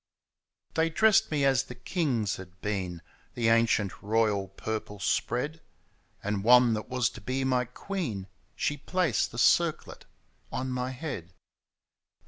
They dressed me as the kings had been, The ancient royal purple spread. And one that was to be my queen. She placed the circlet on my head.